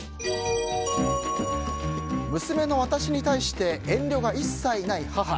娘の私に対して遠慮が一切ない母。